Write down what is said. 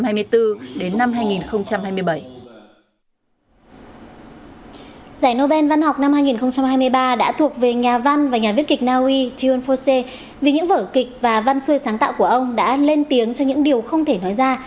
giải nobel văn học năm hai nghìn hai mươi ba đã thuộc về nhà văn và nhà viết kịch naui chiun fose vì những vở kịch và văn xuôi sáng tạo của ông đã lên tiếng cho những điều không thể nói ra